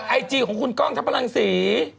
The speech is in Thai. ไอจีของคุณกล้องทัพพลังศรี